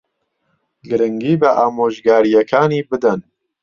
گرنگی بە ئامۆژگارییەکانی بدەن.